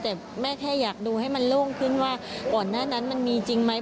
แต่แม่แค่อยากดูให้มันโล่งขึ้นว่าก่อนหน้านั้นมันมีจริงไหม